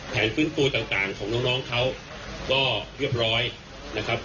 แผนฟื้นฟูต่างของน้องเขาก็เรียบร้อยนะครับ